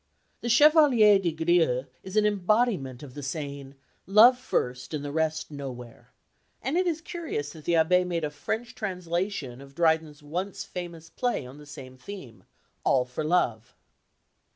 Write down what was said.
The Chevalier des Grieux is an embodiment of the saying "Love first and the rest nowhere," and it is curious that the Abbé made a French translation of Dryden's once famous play on the same theme, All for Love.